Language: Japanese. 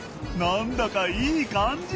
何だかいい感じ！